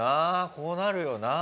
こうなるよな。